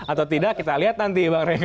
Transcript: atau tidak kita lihat nanti bang rey